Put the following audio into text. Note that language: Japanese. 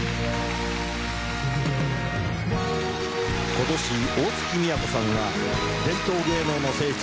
今年大月みやこさんは伝統芸能の聖地